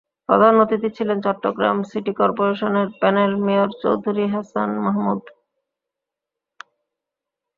প্রধান অতিথি ছিলেন চট্টগ্রাম সিটি করপোরেশনের প্যানেল মেয়র চৌধুরী হাসান মাহমুদ।